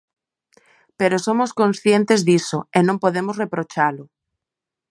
Pero somos conscientes diso e non podemos reprochalo.